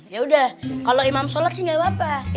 ya udah kalau imam sholat sih nggak apa apa